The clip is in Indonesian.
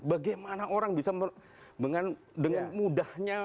bagaimana orang bisa dengan mudahnya